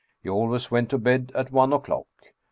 He always went to bed at one o'clock.